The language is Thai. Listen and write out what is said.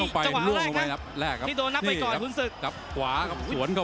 เอ้าพี่ป้าโดนแล้วมีเมานะ